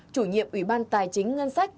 chủ nhiệm ủy ban tài chính ngân sách